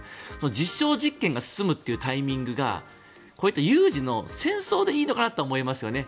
実証実験が進むというタイミングがこういった有事の戦争でいいのかな？とは思いますね。